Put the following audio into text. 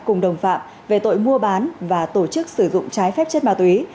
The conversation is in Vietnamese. cùng đồng phạm về tội mua bán và tổ chức sử dụng trái phép chất ma túy